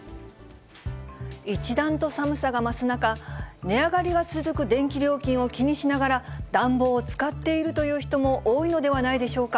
一段と寒さが増す中、値上がりが続く電気料金を気にしながら、暖房を使っているという人も多いのではないでしょうか。